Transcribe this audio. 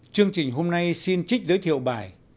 chương trình hôm nay xin trích giới thiệu bài